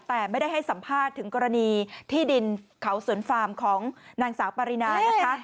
แต่ไม่ได้ให้สัมภาษณ์ถึงกรณีที่ดินเขาสวนฟาร์มของนางสาวปารินานะคะ